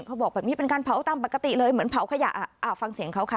เขาบอกแบบนี้เป็นการเผาตามปกติเลยเหมือนเผาขยะอ่าฟังเสียงเขาค่ะ